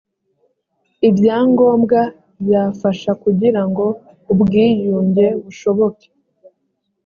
ibyangombwa byafasha kugira ngo ubwiyunge bushoboke